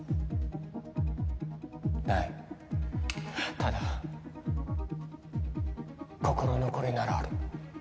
ただ心残りならある。